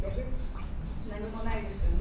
何もないですよね。